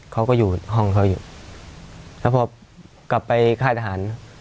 เขาก็อยู่ห้องเขาอยู่แล้วพอกลับไปค่ายทหาร